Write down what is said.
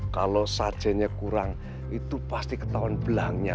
kalau sajanya kurang itu pasti ketahuan belas ya